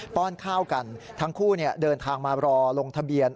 ้อนข้าวกันทั้งคู่เดินทางมารอลงทะเบียน